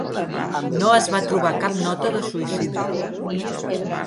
No es va trobar cap nota de suïcidi.